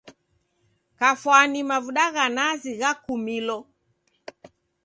Kafwani mavuda gha nazi ghakumilo.